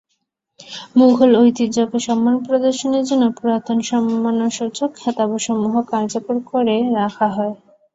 মুগল ঐতিহ্যকে সম্মান প্রদর্শনের জন্য পুরাতন সম্মানসূচক খেতাবসমূহ কার্যকর করে রাখা হয়।